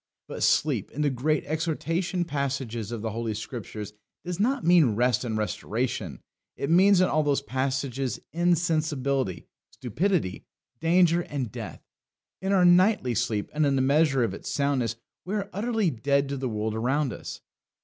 But sleep in the great exhortation passages of the Holy Scriptures does not mean rest and restoration; it means in all those passages insensibility, stupidity, danger, and death. In our nightly sleep, and in the measure of its soundness, we are utterly dead to the world around us.